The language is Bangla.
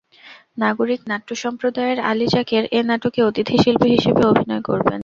নাগরিক নাট্য সম্প্রদায়ের আলী যাকের এ নাটকে অতিথি শিল্পী হিসেবে অভিনয় করবেন।